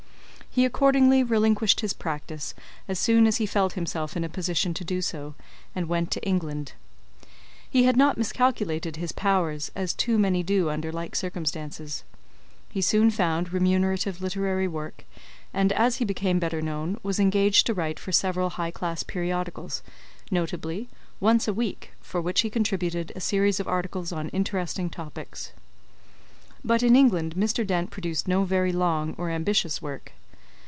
He accordingly relinquished his practice as soon as he felt himself in a position to do so, and went to England. He had not miscalculated his powers, as too many do under like circumstances. He soon found remunerative literary work, and as he became better known, was engaged to write for several high class periodicals, notably, Once a Week, for which he contributed a series of articles on interesting topics. But in England Mr. Dent produced no very long or ambitious work.